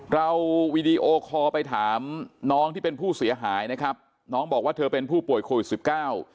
วีดีโอคอลไปถามน้องที่เป็นผู้เสียหายนะครับน้องบอกว่าเธอเป็นผู้ป่วยโควิดสิบเก้า